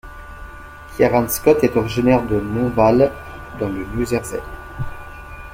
Kieran Scott est originaire de Montvale dans le New Jersey.